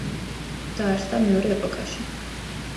დაარსდა მეორე ეპოქაში.